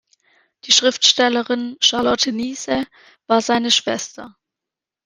Die Schriftstellerin Charlotte Niese war seine Schwester.